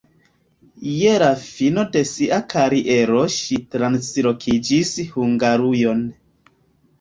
Je la fino de sia kariero ŝi translokiĝis Hungarujon.